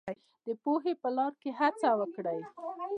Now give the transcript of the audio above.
د پوهې په لار کې هڅه وکړئ.